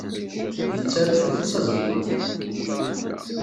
Yettaru s ufus azelmaḍ.